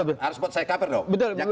harus buat saya cover dong